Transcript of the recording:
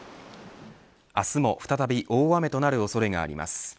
明日も再び大雨となる恐れがあります。